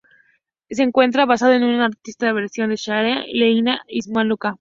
Se encuentra basado en una estricta versión de la "sharia", la ley islámica.